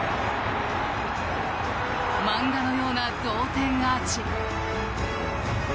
漫画のような同点アーチ。